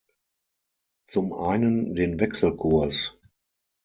Zum einen den Wechselkurs.